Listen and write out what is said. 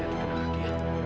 akan kena kaki ya